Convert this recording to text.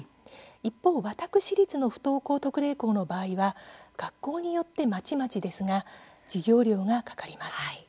一方私立の不登校特例校の場合は学校によって、まちまちですが授業料が、かかります。